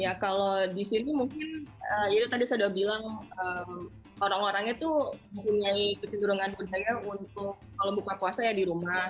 ya kalau di sini mungkin ya tadi saya udah bilang orang orangnya tuh mempunyai kecenderungan budaya untuk kalau buka puasa ya di rumah